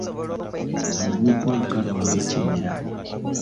Amannyiddwa nga Lwanga Kimera.